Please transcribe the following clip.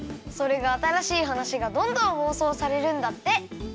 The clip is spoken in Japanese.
それがあたらしいはなしがどんどん放送されるんだって。